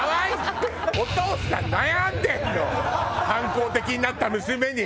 反抗的になった娘に。